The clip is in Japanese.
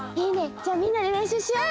じゃあみんなでれんしゅうしよう！